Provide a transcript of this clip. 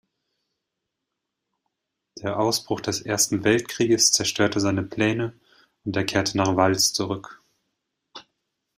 Der Ausbruch des Ersten Weltkrieges zerstörte seine Pläne, und er kehrte nach Valls zurück.